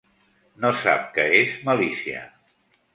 No sap què és malícia.